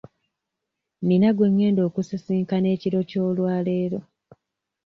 Nina gwe ngenda okusisinkana ekiro ky'olwaleero.